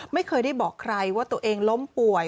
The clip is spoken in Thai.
ไม่เคยได้บอกใครว่าตัวเองล้มป่วย